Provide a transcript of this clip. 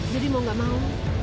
jadi mau gak mau